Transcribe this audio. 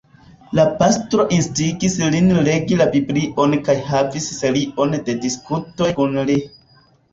La pastro instigis lin legi la Biblion kaj havis serion de diskutoj kun li.